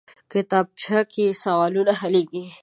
کتابچه کې سوالونه حلېږي